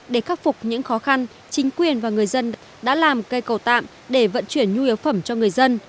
để khắc phục những khó khăn chính quyền và người dân đã làm cây cầu tạm để vận chuyển nhu yếu phẩm cho người dân